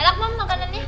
enak mam makanannya